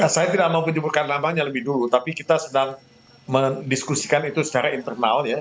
saya tidak mau menyebutkan namanya lebih dulu tapi kita sedang mendiskusikan itu secara internal ya